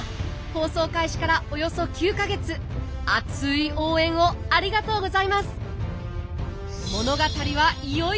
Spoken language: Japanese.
放送開始からおよそ９か月熱い応援をありがとうございます！